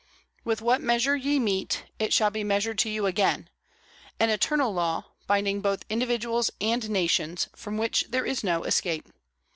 "With what measure ye mete, it shall be measured to you again," an eternal law, binding both individuals and nations, from which there is no escape.